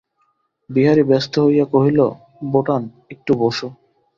বিহারী ব্যস্ত হইয়া কহিল, বোঠান, একটু বোসো।